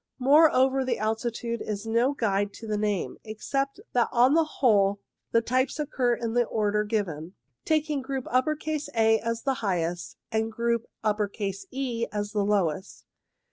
Moreover, the altitude is no guide to the name, except that on the whole the types occur in the order given, taking group A as the highest and group E as the lowest.